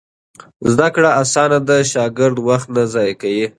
زده کړه اسانه ده، شاګرد وخت نه ضایع کوي.